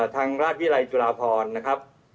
ทางราชวิรัยจุฬาพรนะครับ